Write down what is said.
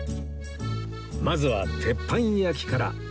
まずは鉄板焼きから